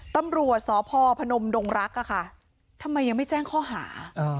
ตำรวจสพพนมดงรักทำไมยังไม่แจ้งข้อหา